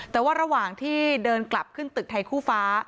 แต่ว่าระหว่างที่เดินกลับขึ้นตึกไทยคู่ฟ้า